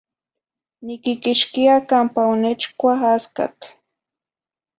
Niquiquixquia campa onechcua ascatl.